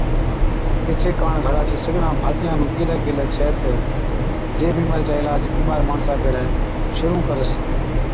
ايڇي ڪاڻ گھرا چي سڳڙان ڀاتِيئان نُون ڪيهلَي گيلَي ڇَي جي بِيمارِي چا علاج بِيمار ماڻسا ڀيڙَي عِلاج شرُوع ڪرس۔